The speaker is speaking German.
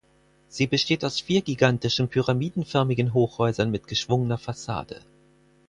Sie besteht aus vier gigantischen, pyramidenförmigen Hochhäusern mit geschwungener Fassade.